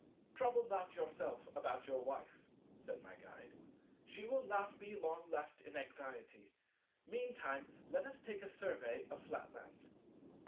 "Trouble not yourself about your Wife," said my Guide: "she will not be long left in anxiety; meantime, let us take a survey of Flatland."